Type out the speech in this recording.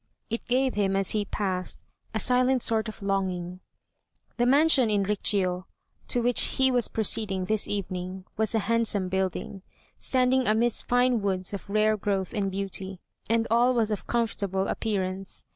It gave him, as he passed, a silent sort of longing. The mansion in Rokjiô, to which he was proceeding this evening, was a handsome building, standing amidst fine woods of rare growth and beauty, and all was of comfortable appearance.